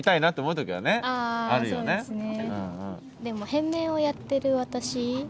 あそうですね。